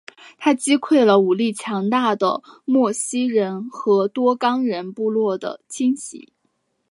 他击溃了武力强大的莫西人和多冈人部落的侵袭。